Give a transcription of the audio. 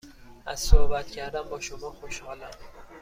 از صحبت کردن با شما خوشحالم.